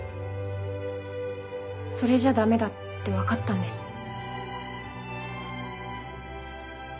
それじゃダメだって分かったんです。